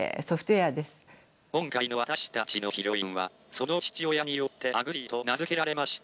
「今回の私たちのヒロインはその父親によって『あぐり』と名付けられました」。